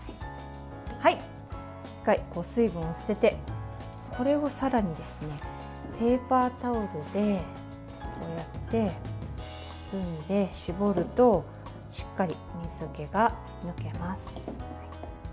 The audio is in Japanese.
しっかり水分を捨ててこれをさらにペーパータオルでこうやって包んで絞るとしっかり水けが抜けます。